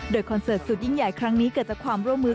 โดยคอนเสิร์ตสุดยิ่งใหญ่ครั้งนี้เกิดจากความร่วมมือ